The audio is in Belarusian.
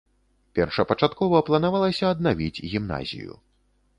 Першапачаткова планавалася аднавіць гімназію.